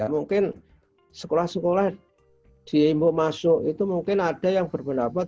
mungkin sekolah sekolah diimbu masuk itu mungkin ada yang berpendapat